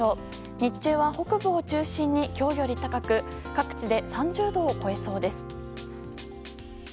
日中は北部を中心に今日より高く各地で３０度を超えそうです。